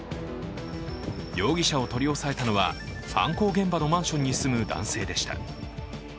容疑者を取り押さえたのは、犯行現場のマンションに住む男性でした。